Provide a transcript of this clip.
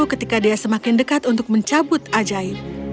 ketika dia semakin dekat untuk mencabut ajaib